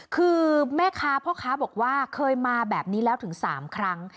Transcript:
คือแม่ค้าพ่อค้าบอกว่าเคยมาแบบนี้แล้วถึง๓ครั้ง